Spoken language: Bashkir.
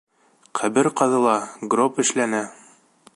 Ҡәбер ҡаҙыла, гроб эшләнә.